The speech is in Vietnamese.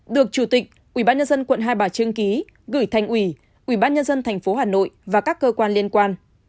được chủ tịch ubnd quận hai bà trưng ký gửi thành ủy ubnd tp hà nội và các cơ quan liên quan